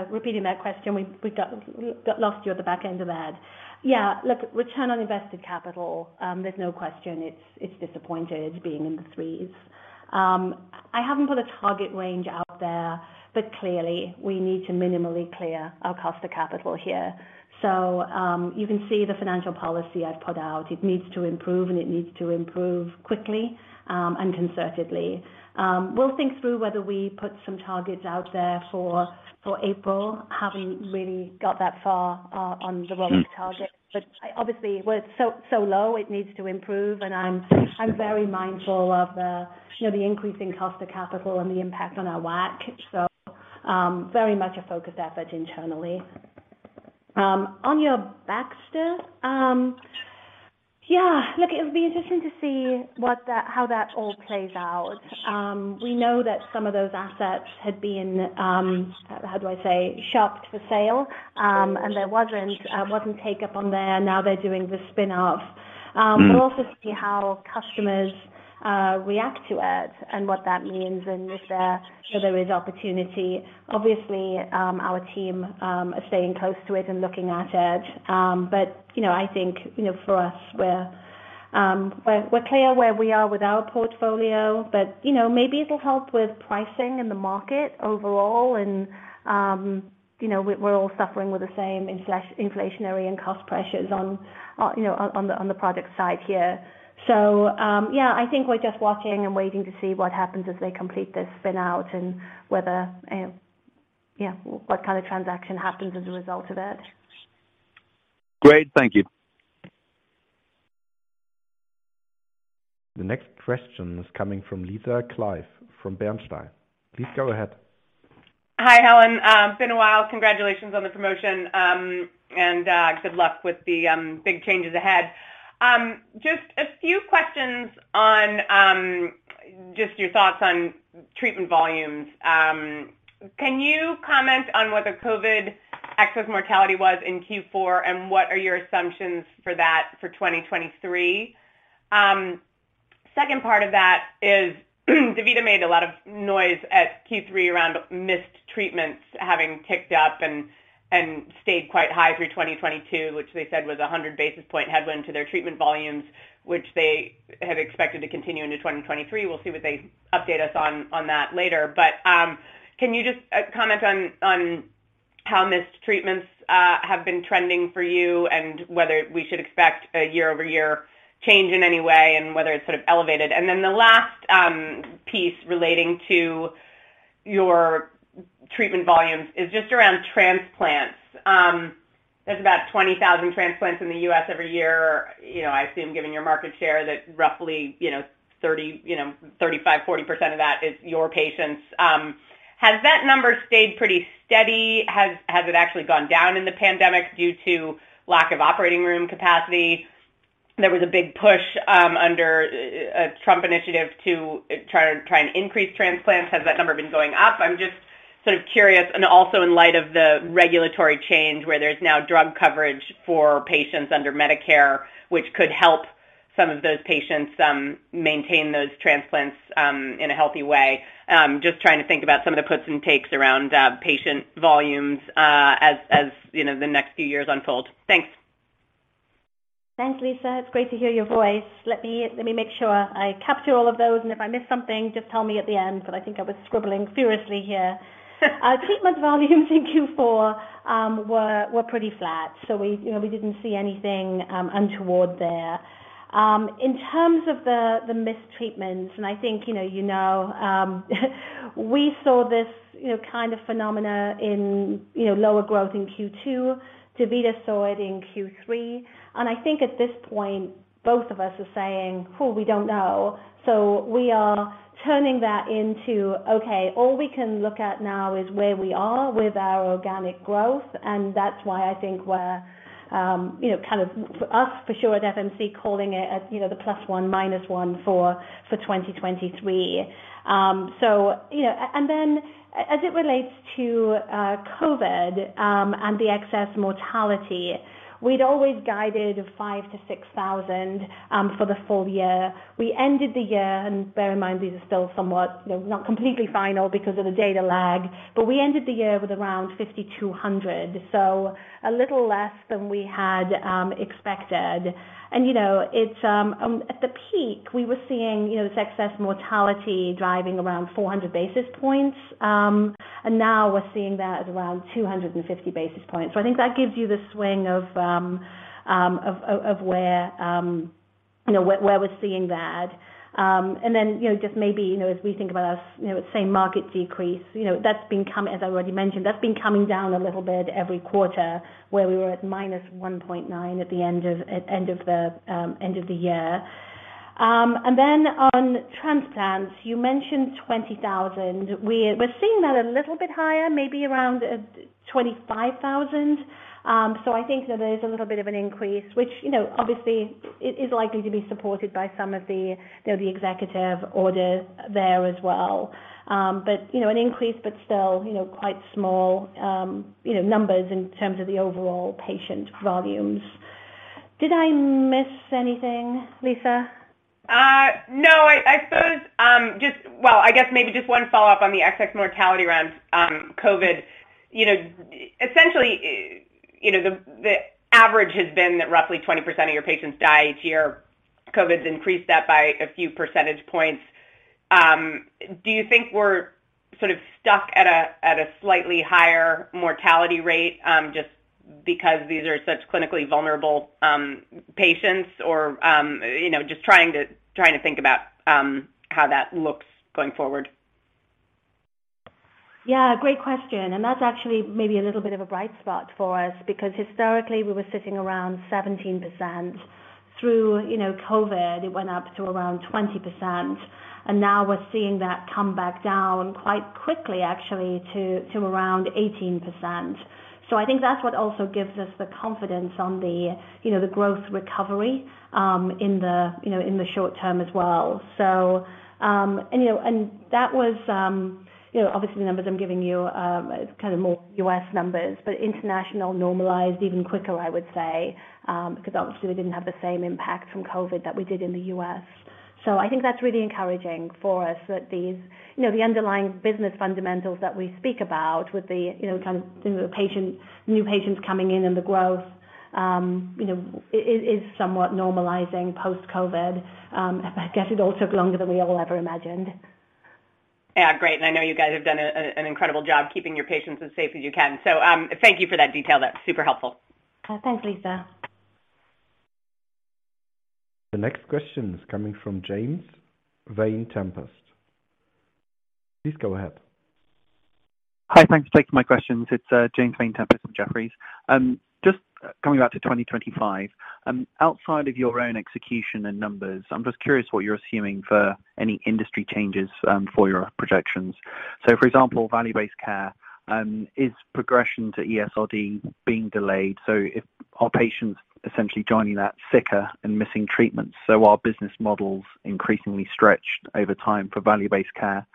repeating that question. We got lost you at the back end of that. Look, return on invested capital, there's no question it's disappointed being in the 3s. I haven't put a target range out there, but clearly we need to minimally clear our cost of capital here. You can see the financial policy I've put out. It needs to improve, and it needs to improve quickly and concertedly. We'll think through whether we put some targets out there for April, haven't really got that far on the ROIC target, but obviously we're so low it needs to improve and I'm very mindful of the, you know, the increasing cost of capital and the impact on our WACC. Very much a focused effort internally. On your Baxter, it'll be interesting to see how that all plays out. We know that some of those assets had been shopped for sale. There wasn't take up on there. Now they're doing the spin off. We'll also see how customers react to it and what that means and if there is opportunity. Obviously, our team are staying close to it and looking at it. I think for us, we're clear where we are with our portfolio, but maybe it'll help with pricing in the market overall. We're all suffering with the same inflationary and cost pressures on the product side here. I think we're just watching and waiting to see what happens as they complete this spin out and whether what kind of transaction happens as a result of it. Great. Thank you. The next question is coming from Lisa Clive from Bernstein. Please go ahead. Hi, Helen. Been a while. Congratulations on the promotion, and good luck with the big changes ahead. Just a few questions on just your thoughts on treatment volumes. Can you comment on what the COVID excess mortality was in Q4 and what are your assumptions for that for 2023? Second part of that is DaVita made a lot of noise at Q3 around missed treatments having ticked up and stayed quite high through 2022, which they said was 100 basis point headwind to their treatment volumes, which they had expected to continue into 2023. We'll see what they update us on that later. Can you just comment on how missed treatments have been trending for you and whether we should expect a year-over-year change in any way and whether it's sort of elevated. The last piece relating to your treatment volumes is just around transplants. There's about 20,000 transplants in the U.S. every year. You know, I assume, given your market share, that roughly, you know, 30%, you know, 35%, 40% of that is your patients. Has that number stayed pretty steady? Has it actually gone down in the pandemic due to lack of operating room capacity? There was a big push under a Trump initiative to try and increase transplants. Has that number been going up? I'm just sort of curious and also in light of the regulatory change where there's now drug coverage for patients under Medicare, which could help some of those patients, maintain those transplants, in a healthy way. Just trying to think about some of the puts and takes around patient volumes, as you know, the next few years unfold. Thanks. Thanks, Lisa. It's great to hear your voice. Let me make sure I capture all of those, and if I miss something, just tell me at the end, 'cause I think I was scribbling furiously here. Treatment volumes in Q4 were pretty flat, we, you know, we didn't see anything untoward there. In terms of the mistreatments, I think, you know, we saw this, you know, kind of phenomena in, you know, lower growth in Q2. DaVita saw it in Q3. I think at this point, both of us are saying, "Oh, we don't know." We are turning that into, okay, all we can look at now is where we are with our organic growth, and that's why I think we're for us, for sure at FMC, calling it, as you know, the +1, -1 for 2023. Then as it relates to COVID and the excess mortality, we'd always guided 5,000-6,000 for the full year. We ended the year, and bear in mind, these are still somewhat not completely final because of the data lag, but we ended the year with around 5,200, so a little less than we had expected. You know, it's at the peak, we were seeing, you know, this excess mortality driving around 400 basis points, and now we're seeing that at around 250 basis points. I think that gives you the swing of where, you know, where we're seeing that. You know, just maybe, you know, as we think about our, you know, say, market decrease, you know, that's been coming. As I already mentioned, that's been coming down a little bit every quarter, where we were at -1.9 at the end of the year. On transplants, you mentioned 20,000. We're seeing that a little bit higher, maybe around 25,000. I think that there is a little bit of an increase, which, you know, obviously is likely to be supported by some of the, you know, the executive orders there as well. An increase, but still, you know, quite small, you know, numbers in terms of the overall patient volumes. Did I miss anything, Lisa? No. I suppose, Well, I guess maybe just one follow-up on the excess mortality around COVID. You know, essentially, you know, the average has been that roughly 20% of your patients die each year. COVID's increased that by a few percentage points. Do you think we're sort of stuck at a, at a slightly higher mortality rate, just because these are such clinically vulnerable patients? You know, just trying to think about how that looks going forward. Yeah, great question. That's actually maybe a little bit of a bright spot for us because historically, we were sitting around 17%. Through, you know, COVID, it went up to around 20%. Now we're seeing that come back down quite quickly actually to around 18%. I think that's what also gives us the confidence on the, you know, the growth recovery, in the, you know, in the short term as well. You know, that was, you know, obviously the numbers I'm giving you, is kind of more US numbers, but international normalized even quicker, I would say, because obviously we didn't have the same impact from COVID that we did in the US. I think that's really encouraging for us that these, you know, the underlying business fundamentals that we speak about with the, you know, kind of, you know, patient, new patients coming in and the growth, you know, is somewhat normalizing post-COVID. I guess it all took longer than we all ever imagined. Yeah. Great. I know you guys have done an incredible job keeping your patients as safe as you can. Thank you for that detail. That's super helpful. Thanks, Lisa. The next question is coming from James Vane-Tempest. Please go ahead. Hi. Thanks for taking my questions. It's James Vane-Tempest from Jefferies. Just coming back to 2025, outside of your own execution and numbers, I'm just curious what you're assuming for any industry changes for your projections. For example, value-based care. Is progression to ESRD being delayed? If our patients essentially joining that sicker and missing treatments, are business models increasingly stretched over time for value-based care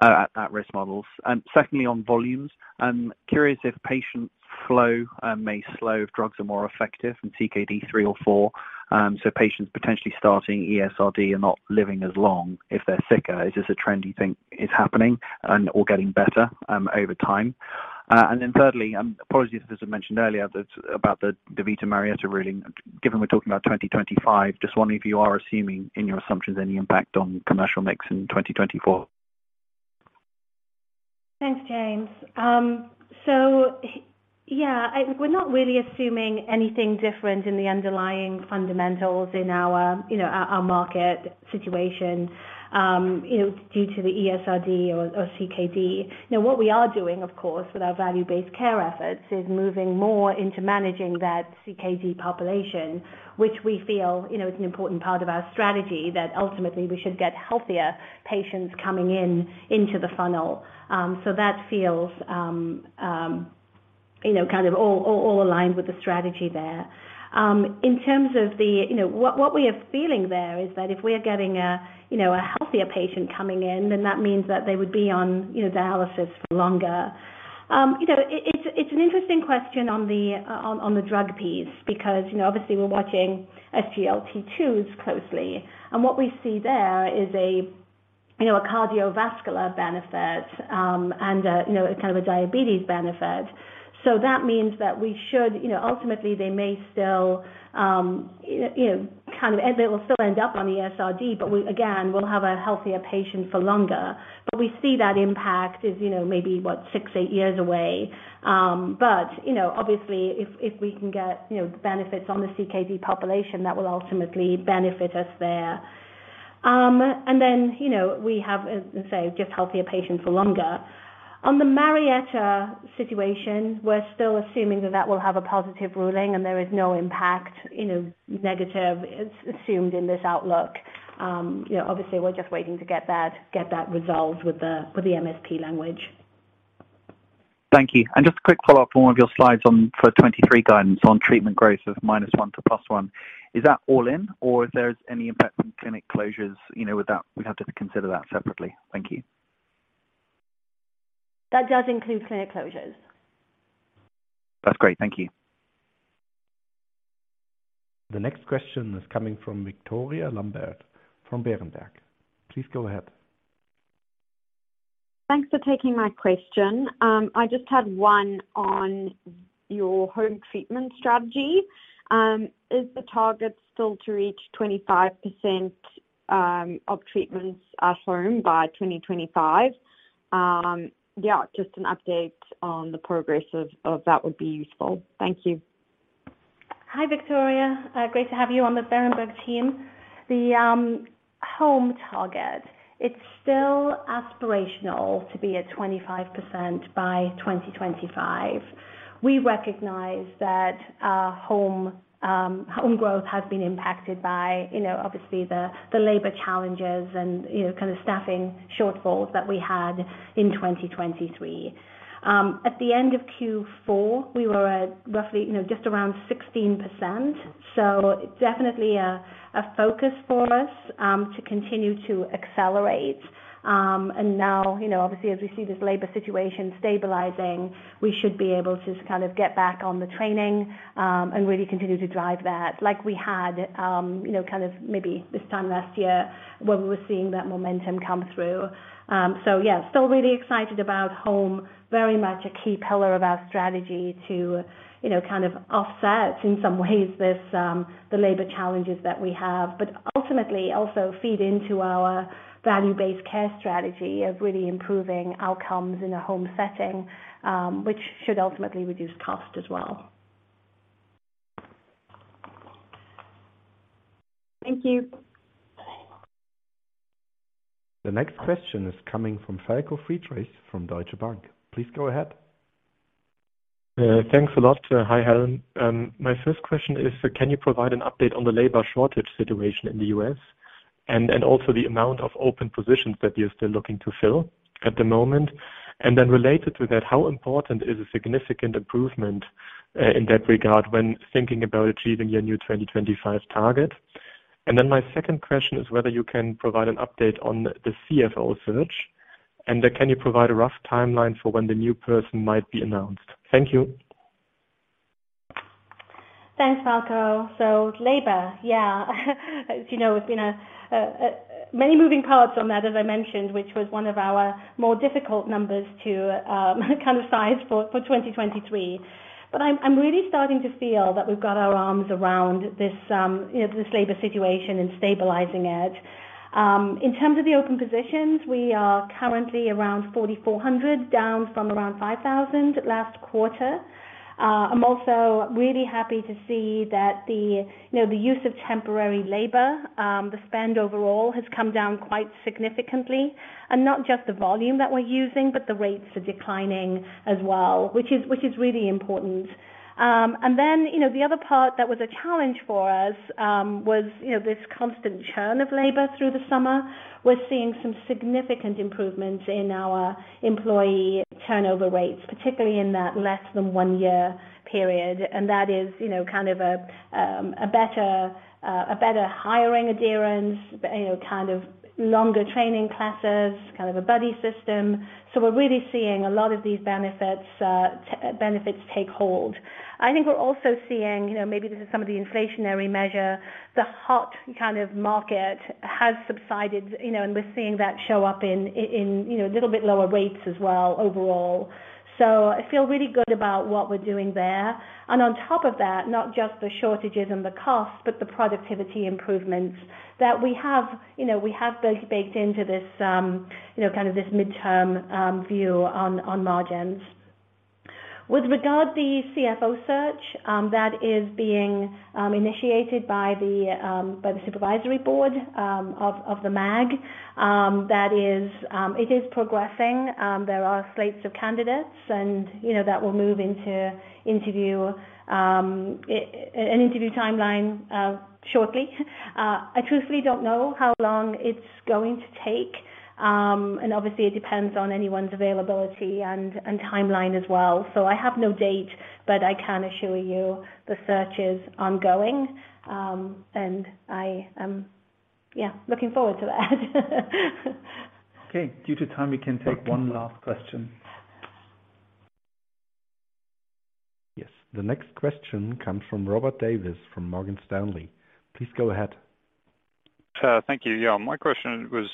at-risk models. Secondly, on volumes, I'm curious if patient flow may slow if drugs are more effective in CKD three or four, patients potentially starting ESRD are not living as long if they're sicker. Is this a trend you think is happening and/or getting better over time? Thirdly, apologies if this was mentioned earlier about the DaVita Marietta ruling, given we're talking about 2025, just wondering if you are assuming in your assumptions any impact on commercial mix in 2024? Thanks, James. Yeah, we're not really assuming anything different in the underlying fundamentals in our, you know, our market situation, you know, due to the ESRD or CKD. Now, what we are doing, of course, with our value-based care efforts is moving more into managing that CKD population, which we feel, you know, is an important part of our strategy that ultimately we should get healthier patients coming in into the funnel. That feels, you know, kind of all aligned with the strategy there. In terms of the, you know, what we are feeling there is that if we're getting a, you know, a healthier patient coming in, then that means that they would be on, you know, dialysis for longer. You know, it's an interesting question on the drug piece because, you know, obviously we're watching SGLT2s closely. What we see there is a, you know, a cardiovascular benefit, and a, you know, a kind of a diabetes benefit. That means that we should, you know, ultimately They will still end up on ESRD. Again, we'll have a healthier patient for longer. We see that impact is, you know, maybe, what? Six, eight years away. You know, obviously if we can get, you know, the benefits on the CKD population, that will ultimately benefit us there. Then, you know, we have, as I say, just healthier patients for longer. On the Marietta situation, we're still assuming that that will have a positive ruling and there is no impact, you know, negative assumed in this outlook. You know, obviously we're just waiting to get that, get that resolved with the, with the MSP language. Thank you. Just a quick follow-up on one of your slides on for 2023 guidance on treatment growth of -1% to +1%. Is that all in or if there's any impact from clinic closures, you know, would that we'd have to consider that separately? Thank you. That does include clinic closures. That's great. Thank you. The next question is coming from Victoria Lambert from Berenberg. Please go ahead. Thanks for taking my question. I just had one on your home treatment strategy. Is the target still to reach 25% of treatments at home by 2025? Yeah, just an update on the progress of that would be useful. Thank you. Hi, Victoria. Great to have you on the Berenberg team. The home target, it's still aspirational to be at 25% by 2025. We recognize that our home home growth has been impacted by, you know, obviously the labor challenges and, you know, kind of staffing shortfalls that we had in 2023. At the end of Q4, we were at roughly, you know, just around 16%. Definitely a focus for us to continue to accelerate. Now, you know, obviously as we see this labor situation stabilizing, we should be able to kind of get back on the training and really continue to drive that like we had, you know, kind of maybe this time last year when we were seeing that momentum come through. Yeah, still really excited about home. Very much a key pillar of our strategy to, you know, kind of offset in some ways this, the labor challenges that we have, but ultimately also feed into our value-based care strategy of really improving outcomes in a home setting, which should ultimately reduce cost as well. Thank you. The next question is coming from Falko Friedrichs from Deutsche Bank. Please go ahead. thanks a lot. Hi, Helen. My first question is, can you provide an update on the labor shortage situation in the U.S. and also the amount of open positions that you're still looking to fill at the moment? Related to that, how important is a significant improvement in that regard when thinking about achieving your new 2025 target? My second question is whether you can provide an update on the CFO search, can you provide a rough timeline for when the new person might be announced? Thank you. Thanks, Falko. Labor, yeah. As you know, it's been a many moving parts on that, as I mentioned, which was one of our more difficult numbers to kind of size for 2023. I'm really starting to feel that we've got our arms around this, you know, this labor situation and stabilizing it. In terms of the open positions, we are currently around 4,400, down from around 5,000 last quarter. I'm also really happy to see that the, you know, the use of temporary labor, the spend overall has come down quite significantly. Not just the volume that we're using, but the rates are declining as well, which is really important. You know, the other part that was a challenge for us, was, you know, this constant churn of labor through the summer. We're seeing some significant improvements in our employee turnover rates, particularly in that less than one-year period. That is, you know, kind of a better, a better hiring adherence, but you know, kind of longer training classes, kind of a buddy system. We're really seeing a lot of these benefits take hold. I think we're also seeing, you know, maybe this is some of the inflationary measure, the hot kind of market has subsided, you know, and we're seeing that show up in, you know, a little bit lower rates as well overall. I feel really good about what we're doing there. On top of that, not just the shortages and the costs, but the productivity improvements that we have, you know, we have those baked into this, you know, kind of this midterm view on margins. With regard the CFO search, that is being initiated by the supervisory board of the MAG, that is, it is progressing. There are slates of candidates and, you know, that will move into an interview timeline shortly. I truthfully don't know how long it's going to take, and obviously it depends on anyone's availability and timeline as well. I have no date, but I can assure you the search is ongoing. And I am, yeah, looking forward to that. Okay. Due to time, we can take one last question. Yes. The next question comes from Robert Davies from Morgan Stanley. Please go ahead. Thank you. Yeah, my question was,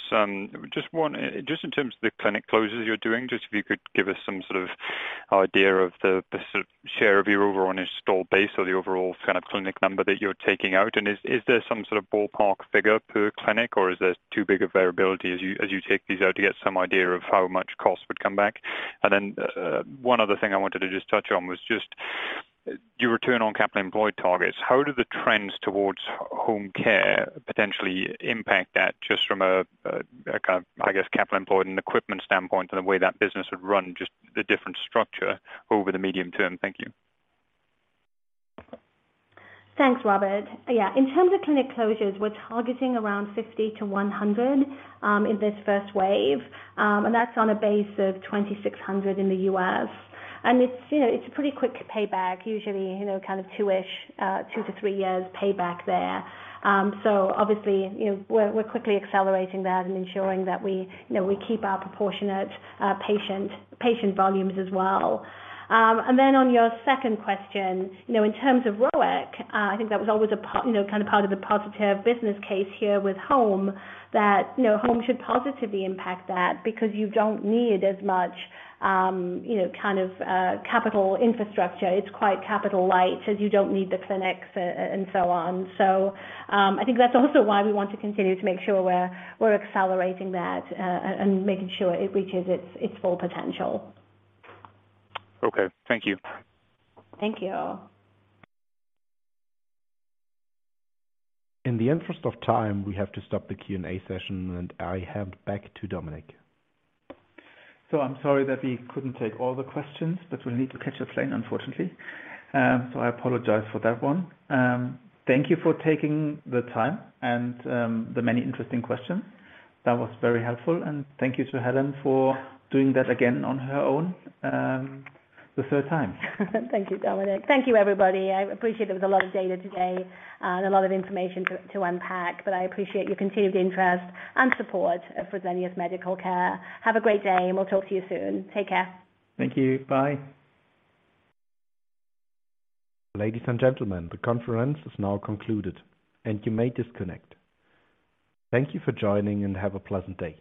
just one, just in terms of the clinic closures you're doing, just if you could give us some sort of idea of the sort of share of your overall installed base or the overall kind of clinic number that you're taking out. Is there some sort of ballpark figure per clinic or is there too big a variability as you take these out to get some idea of how much cost would come back? Then, one other thing I wanted to just touch on was just your return on capital employed targets. How do the trends towards home care potentially impact that just from a kind of, I guess, capital employed and equipment standpoint and the way that business would run, just the different structure over the medium term? Thank you. Thanks, Robert. In terms of clinic closures, we're targeting around 50-100 in this first wave. That's on a base of 2,600 in the U.S. It's, you know, it's a pretty quick payback usually, you know, kind of 2-ish, 2-3 years payback there. Obviously, you know, we're quickly accelerating that and ensuring that we, you know, we keep our proportionate, patient volumes as well. Then on your second question, you know, in terms of ROIC, I think that was always a, you know, kind of part of the positive business case here with home that, you know, home should positively impact that because you don't need as much, you know, kind of, capital infrastructure. It's quite capital light as you don't need the clinics and so on. I think that's also why we want to continue to make sure we're accelerating that and making sure it reaches its full potential. Okay. Thank you. Thank you. In the interest of time, we have to stop the Q&A session, and I hand back to Dominic. I'm sorry that we couldn't take all the questions, but we'll need to catch a plane, unfortunately. I apologize for that one. Thank you for taking the time and, the many interesting questions. That was very helpful. Thank you to Helen for doing that again on her own, the third time. Thank you, Dominic. Thank you, everybody. I appreciate there was a lot of data today and a lot of information to unpack, but I appreciate your continued interest and support of Fresenius Medical Care. Have a great day, and we'll talk to you soon. Take care. Thank you. Bye. Ladies and gentlemen, the conference is now concluded and you may disconnect. Thank you for joining and have a pleasant day.